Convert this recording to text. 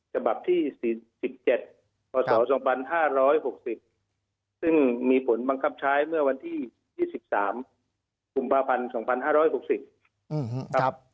ฉบับที่๔๗พศ๒๕๖๐ซึ่งมีผลบังคับใช้เมื่อวันที่๒๓กุมภาพันธ์๒๕๖๐ครับ